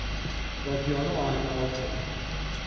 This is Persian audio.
با پیانو آهنگ نواختن